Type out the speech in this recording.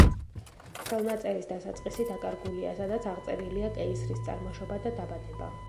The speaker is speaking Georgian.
ხელნაწერის დასაწყისი დაკარგულია, სადაც აღწერილია კეისრის წარმოშობა და დაბადება.